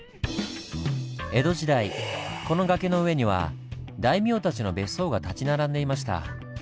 江戸時代この崖の上には大名たちの別荘が立ち並んでいました。